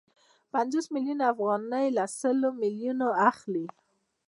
پنځوس میلیونه افغانۍ له سلو میلیونو اخلي